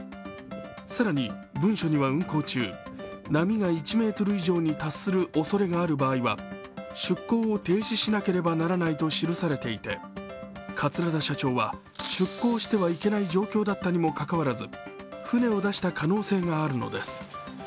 更に、文書には運航中波が１ｍ以上に達する恐れがある場合は出航を停止しなければならないと記されていて、桂田社長は出航してはいけない状況だったにもかかわらず、船を出した可能性があるのです。